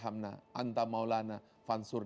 amin yabrum al'al monsieur